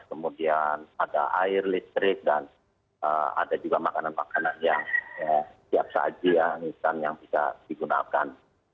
kemudian ada air listrik dan ada juga makanan makanan yang tiap sajian yang bisa digunakan